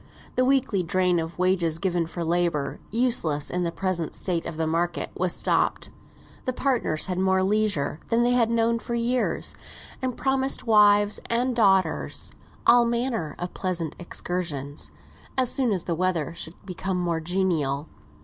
The weekly drain of wages given for labour, useless in the present state of the market, was stopped. The partners had more leisure than they had known for years; and promised wives and daughters all manner of pleasant excursions, as soon as the weather should become more genial.